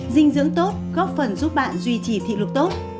dinh dưỡng tốt góp phần giúp bạn duy trì thị lực tốt